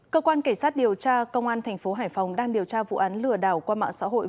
cơ quan kỳ sát điều tra công an tp hải phòng đang điều tra vụ án lừa đảo qua mạng xã hội